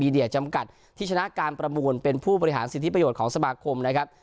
จำกัดที่ชนะการประมูลเป็นผู้บริหารสิทธิประโยชน์ของสมาคมนะครับ